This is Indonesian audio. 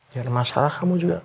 biar masalah kamu juga